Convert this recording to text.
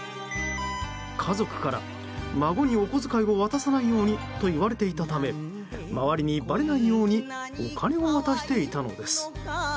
家族から、孫にお小遣いを渡さないようにと言われていたため周りにばれないようにお金を渡していたのです。